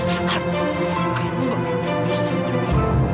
ini saat kamu bisa menang